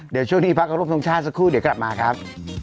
เดี๋ยวช่วงนี้พักกับรบทรงชาติสักครู่เดี๋ยวกลับมาครับ